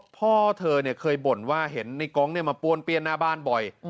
พ่อเธอเคยบ่นว่าเห็นในกองมาป้วนเปี้ยนหน้าบ้านบ่อย